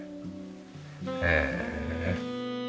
へえ。